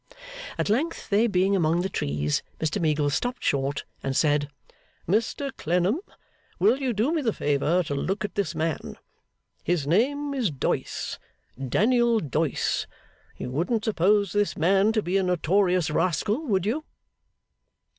At length they being among the trees, Mr Meagles stopped short, and said: 'Mr Clennam, will you do me the favour to look at this man? His name is Doyce, Daniel Doyce. You wouldn't suppose this man to be a notorious rascal; would you?